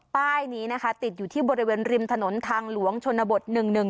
ป้ายนี้นะคะติดอยู่ที่บริเวณริมถนนทางหลวงชนบท๑๑๒